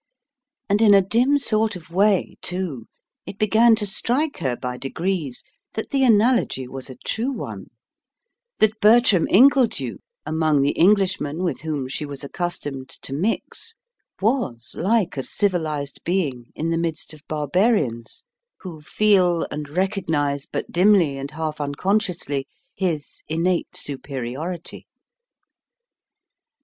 And in a dim sort of way, too, it began to strike her by degrees that the analogy was a true one, that Bertram Ingledew, among the Englishmen with whom she was accustomed to mix, was like a civilised being in the midst of barbarians, who feel and recognise but dimly and half unconsciously his innate superiority.